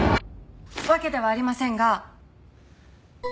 わけではありませんが。